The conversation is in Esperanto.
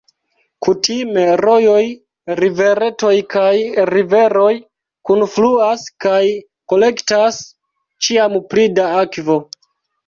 Kutime rojoj, riveretoj kaj riveroj kunfluas kaj kolektas ĉiam pli da akvo.